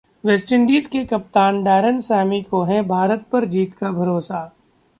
West Indies के कप्तान Darren Sammy को है भारत पर जीत का भरोसा